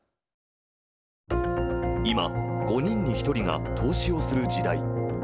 今、５人に１人が投資をする時代。